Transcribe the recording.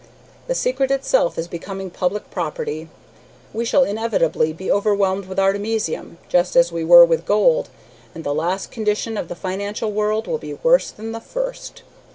The secret itself is becoming public property. We shall inevitably be overwhelmed with artemisium, just as we were with gold, and the last condition of the financial world will be worse than the first."